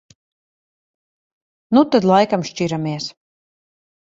Nu tad laikam šķiramies.